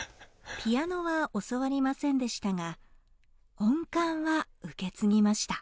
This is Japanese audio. ピアノは教わりませんでしたが音感は受け継ぎました。